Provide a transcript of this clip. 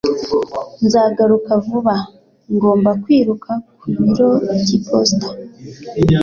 Nzagaruka vuba. Ngomba kwiruka ku biro by'iposita.